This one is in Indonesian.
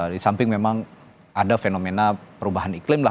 di samping memang ada fenomena perubahan iklim lah